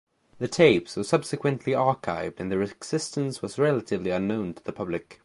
The tapes were subsequently archived and their existence was relatively unknown to the public.